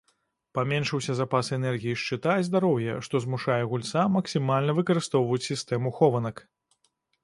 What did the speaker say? Паменшыўся запас энергіі шчыта і здароўя, што змушае гульца максімальна выкарыстоўваць сістэму хованак.